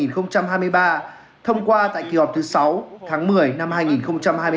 thông qua tại kỳ họp thứ sáu tháng một mươi năm hai nghìn hai mươi ba